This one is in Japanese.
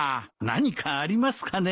何かありますかね？